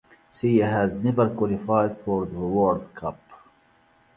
Syria has never qualified for the World Cup.